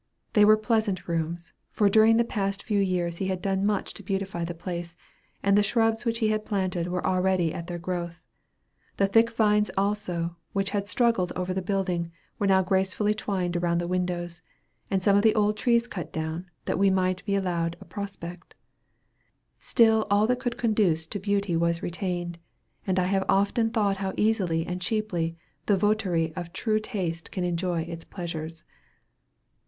They were pleasant rooms, for during the few past years he had done much to beautify the place, and the shrubs which he had planted were already at their growth. The thick vines also which had struggled over the building, were now gracefully twined around the windows, and some of the old trees cut down, that we might be allowed a prospect. Still all that could conduce to beauty was retained; and I have often thought how easily and cheaply the votary of true taste can enjoy its pleasures.